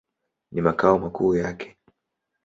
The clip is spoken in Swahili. Ni makao makuu yake.